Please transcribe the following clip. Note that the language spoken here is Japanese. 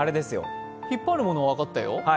引っ張るもの、分かったよ。